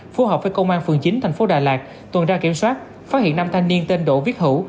phù hợp với công an phường chín tp đà lạt tuần tra kiểm soát phát hiện năm thanh niên tên đỗ viết hữu